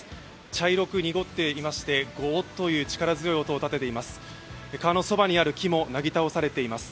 茶色く濁っていまして、ゴーッという力強い音を立てています。